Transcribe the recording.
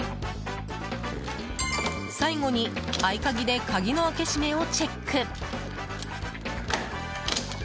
最後に合鍵で鍵の開け閉めをチェック。